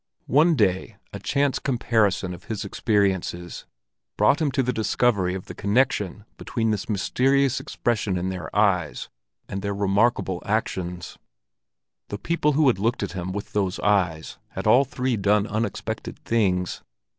One day a chance comparison of his experiences brought him to the discovery of the connection between this mysterious expression in their eyes and their remarkable actions; the people who had looked at him with those eyes had all three done unexpected things.